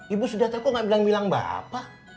ibu sudah tau kok gak bilang bilang bapak